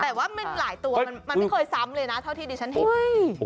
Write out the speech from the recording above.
แต่ว่ามันหลายตัวมันไม่เคยซ้ำเลยนะเท่าที่ดิฉันเห็น